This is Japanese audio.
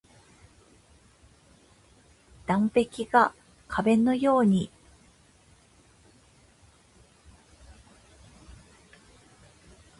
断崖が壁のように千仞も高く切り立ちそびえていること。また仏教の語として「へきりゅうせんじん」と読み、仏法の真理が高遠なことのたとえ。